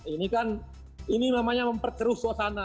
ini kan ini namanya memperkeruh suasana